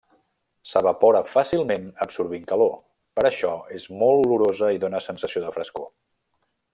S'evapora fàcilment absorbint calor, per això és molt olorosa i dóna sensació de frescor.